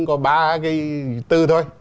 có ba cái từ thôi